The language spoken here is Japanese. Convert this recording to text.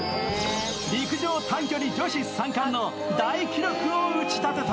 陸上短距離女子３冠の大記録を打ち立てた！